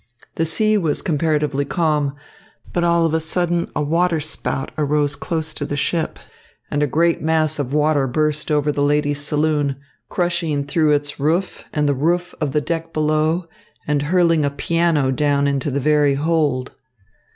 The sea was comparatively calm, but all of a sudden a waterspout arose close to the ship, and a great mass of water burst over the ladies' saloon, crushing through its roof and the roof of the deck below and hurling a piano down into the very hold."